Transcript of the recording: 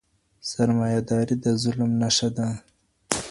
سرمایه داري د ظلم نښه ده.